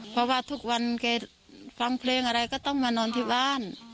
เพราะว่าทุกวันแกฟังเพลงอะไรก็ต้องมานอนที่บ้าน